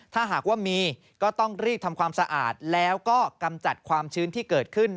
ถ้าหากว่ามีก็ต้องรีบทำความสะอาดแล้วก็กำจัดความชื้นที่เกิดขึ้น